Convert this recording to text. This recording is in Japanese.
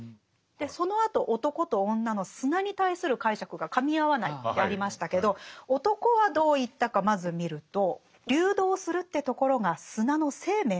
でそのあと男と女の砂に対する解釈がかみ合わないってありましたけど男はどう言ったかまず見ると。